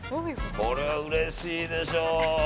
これはうれしいでしょう。